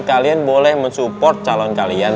kalian boleh mensupport calon kalian